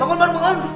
bangun bangun bangun